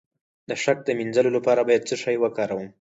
د شک د مینځلو لپاره باید څه شی وکاروم؟